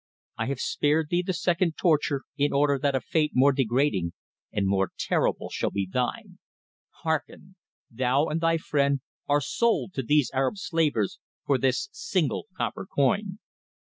I have spared thee the second torture in order that a fate more degrading and more terrible shall be thine. Hearken! Thou and thy friend are sold to these Arab slavers for this single copper coin."